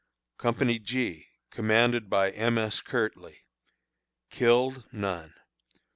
Company G, commanded by M. S. Kirtley. Killed: None.